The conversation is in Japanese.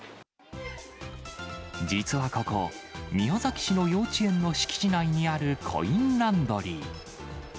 実はここ、宮崎市の幼稚園の敷地内にあるコインランドリー。